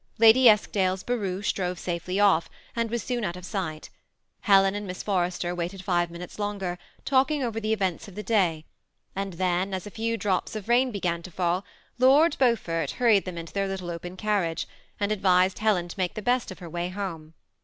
Lady Eskdale's barouche drove safely off, and was soon out of sight Helen and Miss Forrester waited five minutes longer, talking over the events of the day, and then, as a few drops of rain began to fall. Lord Beaufort hurried them into their little open carriage, and advised Helen to make the best of her way home.